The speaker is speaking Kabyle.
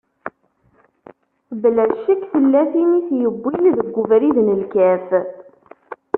Bla ccek tella kra n tin i t-yewwin deg ubrid n lkaf.